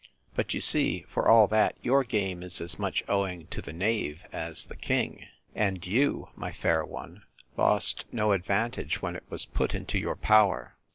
But you see, for all that, your game is as much owing to the knave as the king; and you, my fair one, lost no advantage, when it was put into your power.